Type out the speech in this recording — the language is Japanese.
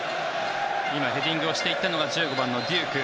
今ヘディングをしていったのが１５番のデューク。